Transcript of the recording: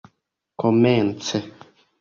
komence